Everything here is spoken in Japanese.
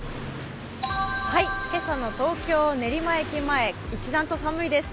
今朝の東京・練馬駅前、一段と寒いです。